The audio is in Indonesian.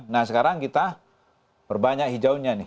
nah sekarang kita perbanyak hijaunya nih